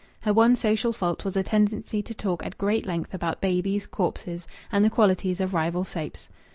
Her one social fault was a tendency to talk at great length about babies, corpses, and the qualities of rival soaps.